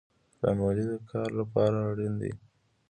پلان ولې د کار لپاره اړین دی؟